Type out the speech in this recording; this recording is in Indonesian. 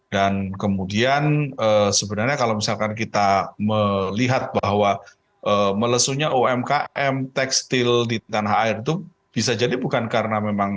dan kemudian sebenarnya kalau misalkan kita melihat bahwa melesunya umkm tekstil di tanah air itu bisa jadi bukan karena memang